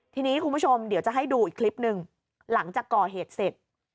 ทีนี้คุณผู้ชมเดี๋ยวจะให้ดูอีกคลิปหนึ่งหลังจากก่อเหตุเสร็จ